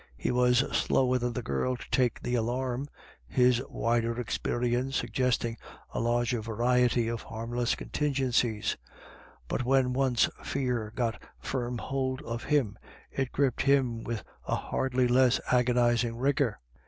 He was slower than the girl to take the alarm, his wider experi ence suggesting a larger variety of harmless con tingencies ; but when once fear got firm hold of him, it gripped him with a hardly less agonising rigour.